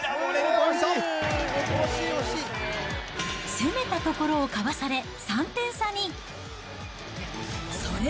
攻めたところをかわされ３点差に。